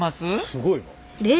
すごい。